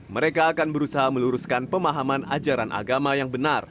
mereka akan berusaha meluruskan pemahaman ajaran agama yang benar